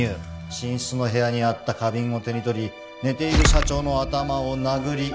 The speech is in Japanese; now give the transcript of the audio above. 寝室の部屋にあった花瓶を手に取り寝ている社長の頭を殴り